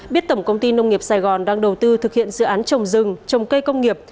biết tổng công ty nông nghiệp sài gòn đang đầu tư thực hiện dự án trồng rừng trồng cây công nghiệp